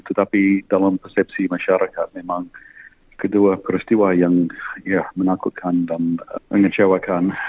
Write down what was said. tetapi dalam persepsi masyarakat memang kedua peristiwa yang ya menakutkan dan mengecewakan